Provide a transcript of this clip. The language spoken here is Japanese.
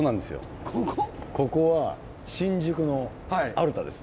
ここは新宿のアルタです。